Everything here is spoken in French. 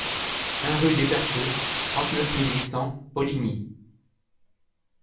un rue des Perchées, trente-neuf mille huit cents Poligny